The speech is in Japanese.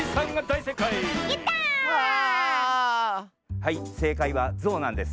はいせかいは「ゾウ」なんです。